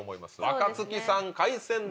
若槻さん海鮮丼。